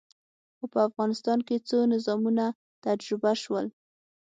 خو په افغانستان کې څو نظامونه تجربه شول.